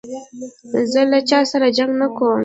زه له چا سره جنګ نه کوم.